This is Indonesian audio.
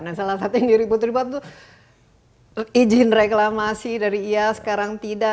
nah salah satu yang diribut ribut tuh izin reklamasi dari iya sekarang tidak